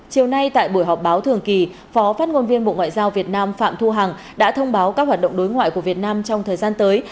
chiều nay tại buổi họp báo thường kỳ phó phát ngôn viên bộ ngoại giao việt nam phạm thu hằng đã thông báo các hoạt động đối ngoại của việt nam trong thời gian tới